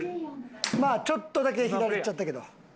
まあちょっとだけ左いっちゃったけど。